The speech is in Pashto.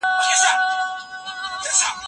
پخوا ځيني خلکو د ښځو حقوق نه پيژندل.